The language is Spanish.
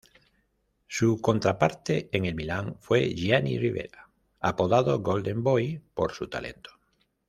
Su contraparte en el Milan fue Gianni Rivera, apodado Golden Boy, por su talento.